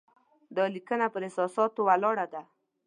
دا لیکنه پر احساساتو ولاړه ده.